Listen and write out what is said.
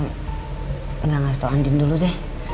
saya gak ngasih tau andin dulu deh